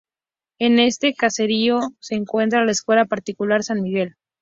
En este caserío se encuentra la Escuela Particular San Miguel.